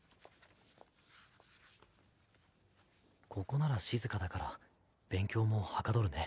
ここなら静かだから勉強もはかどるね。